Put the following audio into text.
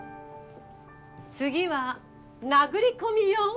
次は殴り込みよ。